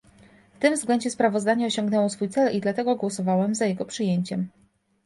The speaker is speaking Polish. W tym względzie sprawozdanie osiągnęło swój cel i dlatego głosowałem za jego przyjęciem